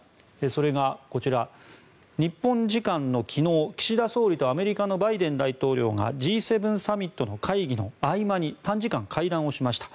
それがこちら、日本時間の昨日岸田総理とアメリカのバイデン大統領がＧ７サミットの会議の合間に短時間、会談をしました。